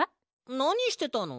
なにしてたの？